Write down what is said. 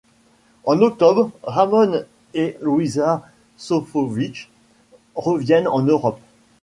En octobre, Ramón et Luisa Sofovich reviennent en Europe.